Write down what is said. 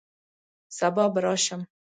سبا به راشم